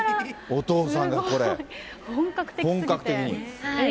お父さんがこれ、本格的に。